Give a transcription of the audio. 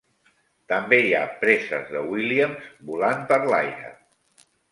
També hi ha preses de Williams volant per l'aire.